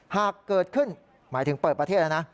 หากเกิดขึ้นหมายถึงเปิดประเทศแล้วนะ